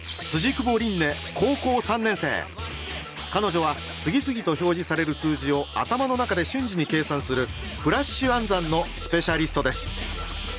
彼女は次々と表示される数字を頭の中で瞬時に計算するフラッシュ暗算のスペシャリストです。